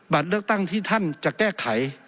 เลือกตั้งที่ท่านจะแก้ไข